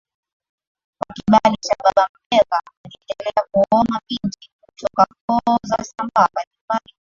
kwa kibali cha babaMbegha aliendelea kuoa mabinti kutoka koo za Wasambaa mbalimbali na